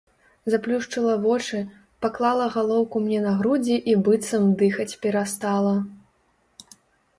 Заплюшчыла вочы, паклала галоўку мне на грудзі і быццам дыхаць перастала.